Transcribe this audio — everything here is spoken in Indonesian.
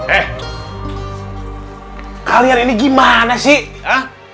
eh kalian ini gimana sih ah